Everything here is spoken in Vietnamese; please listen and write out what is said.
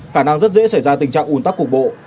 khả năng rất dễ xảy ra tình trạng ủn tắc cục bộ